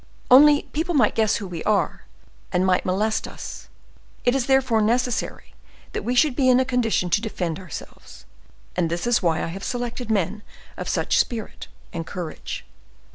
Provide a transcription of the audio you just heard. Only people might guess who we are, and might molest us; it is therefore necessary that we should be in a condition to defend ourselves. And this is why I have selected men of spirit and courage.